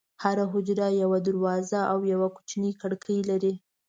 هره حجره یوه دروازه او یوه کوچنۍ کړکۍ لري.